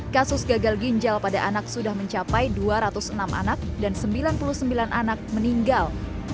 kasus gagal ginjal pada anak sudah mencapai dua ratus enam anak dan sembilan puluh sembilan anak meninggal